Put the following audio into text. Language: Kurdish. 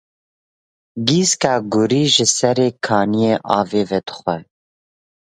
Gîska gurî ji serê kaniyê avê vedixwe.